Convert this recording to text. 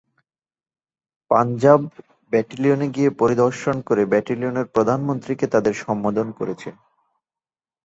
পাঞ্জাব, ব্যাটালিয়নে গিয়ে পরিদর্শন করে ব্যাটালিয়নের প্রধানমন্ত্রীকে তাদের সম্বোধন করেছে।